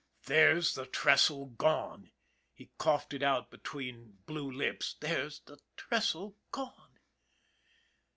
" There's the trestle gone! " he coughed it out between blue lips. " There's the trestle gone!